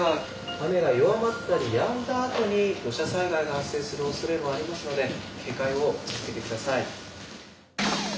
雨が弱まったりやんだあとに土砂災害が発生するおそれもありますので警戒を続けて下さい。